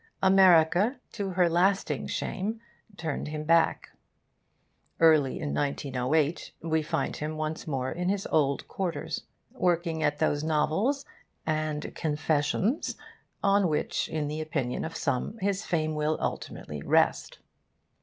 America, to her lasting shame, turned him back. Early in 1908 we find him once more in his old quarters, working at those novels and confessions on which, in the opinion of some, his fame will ultimately rest.